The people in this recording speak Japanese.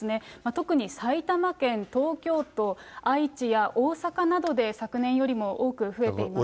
特に埼玉県、東京都、愛知や大阪などで、昨年よりも多く増えていますね。